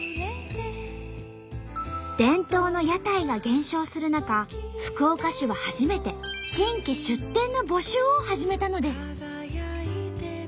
伝統の屋台が減少する中福岡市は初めて新規出店の募集を始めたのです。